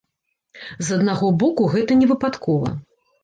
З аднаго боку, гэта не выпадкова.